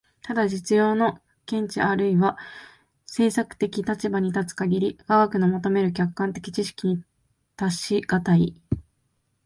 ただ実用の見地あるいは政策的立場に立つ限り、科学の求める客観的知識に達し難い。